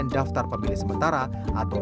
daftar pemilih sementara atau